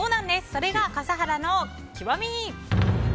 それが笠原の極み。